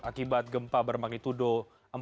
akibat gempa bermakni tuduh empat enam